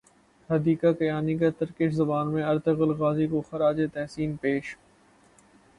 حدیقہ کیانی کا ترکش زبان میں ارطغرل غازی کو خراج تحسین پیش